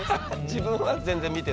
自分は全然見てないの？